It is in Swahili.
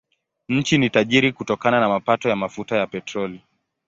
Nchi ni tajiri kutokana na mapato ya mafuta ya petroli.